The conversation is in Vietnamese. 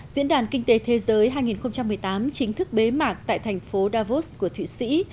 diễn đàn kinh tế thế giới hai nghìn một mươi tám chính thức bế mạc tại thành phố davos của thụy sĩ